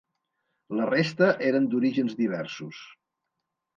La resta eren d'orígens diversos.